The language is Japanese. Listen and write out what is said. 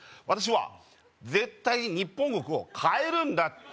私は絶対に日本国を変えるんだ！